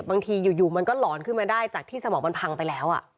บางทีอยู่มันก็หลอนขึ้นมาได้จากที่สมองมันพังไปแล้ว